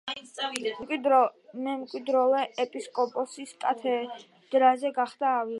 მისი მემკვიდრე ეპისკოპოსის კათედრაზე გახდა ავილი.